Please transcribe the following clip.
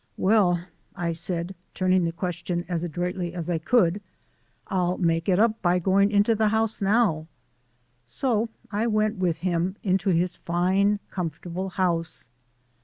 "Well," I said, turning the question as adroitly as I could, "I'll make it up by going into the house now." So I went with him into his fine, comfortable house.